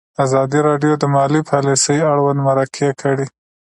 ازادي راډیو د مالي پالیسي اړوند مرکې کړي.